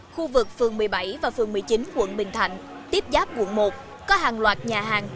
khu vực phường một mươi bảy và phường một mươi chín quận bình thạnh tiếp giáp quận một có hàng loạt nhà hàng